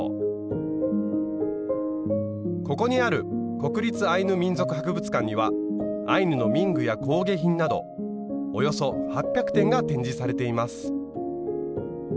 ここにある国立アイヌ民族博物館にはアイヌの民具や工芸品などおよそ８００点が展示されています。